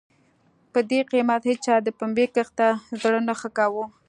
په دې قېمت هېچا د پنبې کښت ته زړه نه ښه کاوه.